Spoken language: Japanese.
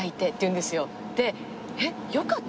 でえっよかった？